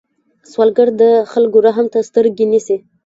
سوالګر د خلکو رحم ته سترګې نیسي